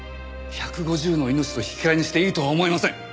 １５０の命と引き換えにしていいとは思えません！